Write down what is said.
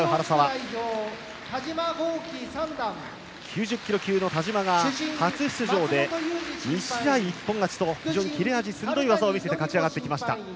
そして９０キロ級の田嶋が初出場で２試合一本勝ちと非常に切れ味鋭い技を見せて勝ち上がってきました。